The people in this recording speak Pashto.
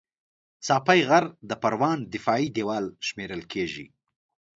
ساپی غر د پروان دفاعي دېوال شمېرل کېږي